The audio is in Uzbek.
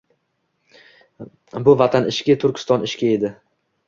Bu Vatan ishki, Turkiston ishki edi.